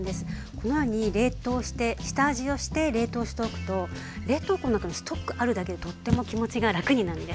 このように冷凍して下味をして冷凍をしておくと冷凍庫の中のストックあるだけでとっても気持ちが楽になるんです。